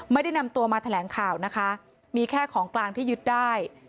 ไม่ได้นำตัวมาแถลงข่าวนะคะมีแค่ของกลางที่ยึดได้